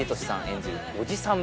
演じるおじさん